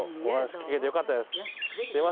お話聞けてよかったです。